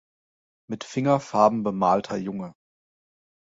Mit Fingerfarben bemalter Junge.